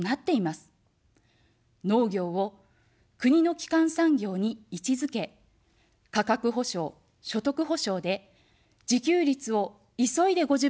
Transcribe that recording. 農業を国の基幹産業に位置づけ、価格補償、所得補償で自給率を急いで５０％に戻します。